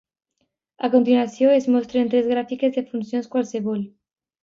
A continuació es mostren tres gràfiques de funcions qualssevol.